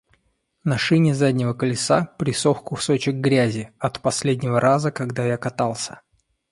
На шине заднего колеса присох кусочек грязи — от последнего раза, когда я катался.